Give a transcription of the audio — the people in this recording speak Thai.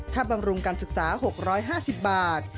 บำรุงการศึกษา๖๕๐บาท